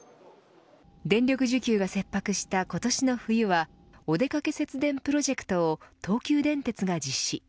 電力需給が切迫した今年の冬はお出かけ節電プロジェクトを東急電鉄が実施。